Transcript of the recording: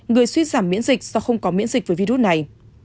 người suy giảm miễn dịch do không có miễn dịch với virus này